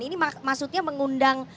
ini maksudnya mengundang